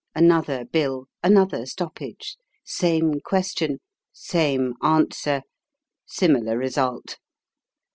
Another bill another stoppage. Same question same answer similar result.